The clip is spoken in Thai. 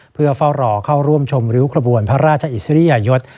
เพื่อเฝ้ารอเข้าร่วมชมริ้วขบวนพระราชอิสริยยศ